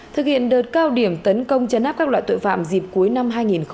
thực hiện đợt cao điểm tấn công chấn áp các loại tội phạm dịp cuối năm hai nghìn hai mươi ba